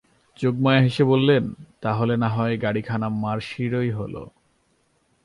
যোগমায়া হেসে বললেন, তা হলে নাহয় গাড়িখানা মাসিরই হল।